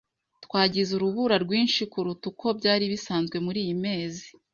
Twagize urubura rwinshi kuruta uko byari bisanzwe muriyi mezi.